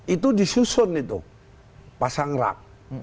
itu disusun itu pasang rap